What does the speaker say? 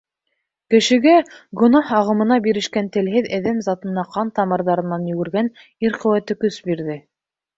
Кешегә, гонаһ ағымына бирешкән телһеҙ әҙәм затына ҡан тамырҙарынан йүгергән ир ҡеүәте көс бирҙе.